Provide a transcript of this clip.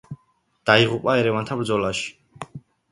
დაიღუპა ერევანთან ბრძოლაში.